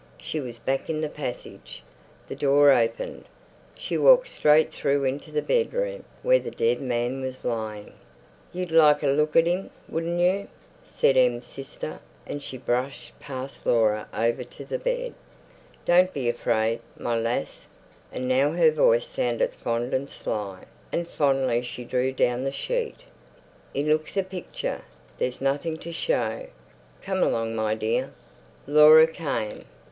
She was back in the passage. The door opened. She walked straight through into the bedroom, where the dead man was lying. "You'd like a look at 'im, wouldn't you?" said Em's sister, and she brushed past Laura over to the bed. "Don't be afraid, my lass,"—and now her voice sounded fond and sly, and fondly she drew down the sheet—"'e looks a picture. There's nothing to show. Come along, my dear." Laura came.